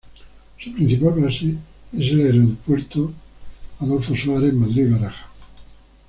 Su principal base es el Aeropuerto Adolfo Suárez Madrid-Barajas.